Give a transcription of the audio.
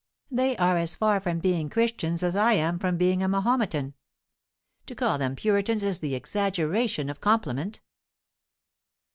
They are as far from being Christians as I am from being a Mahometan. To call them Puritans is the exaggeration of compliment."